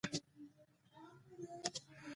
مړه ته د خدای د رضا دعا کوو